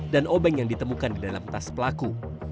dan obeng yang ditemukan di dalam tas pelaku